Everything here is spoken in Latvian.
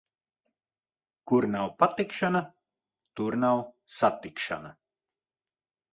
Kur nav patikšana, tur nav satikšana.